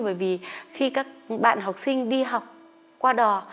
bởi vì khi các bạn học sinh đi học qua đò